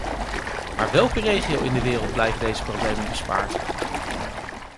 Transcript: Maar welke regio in de wereld blijven deze problemen bespaard?